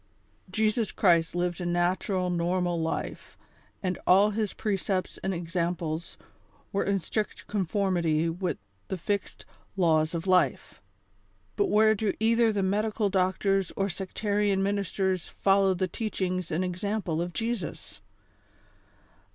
Jesus Cluist lived a natural, normal life, and all his pre cepts and examples weie in strict conformity with the fixed I aws of Life ; but where do either the medical doctors or sectarian ministers follow the teachings and example of Jesus?